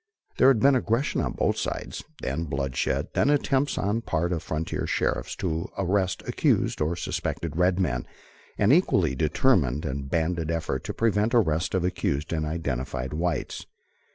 There had been aggression on both sides, then bloodshed, then attempts on part of frontier sheriffs to arrest accused or suspected red men, and equally determined and banded effort to prevent arrest of accused and identified whites.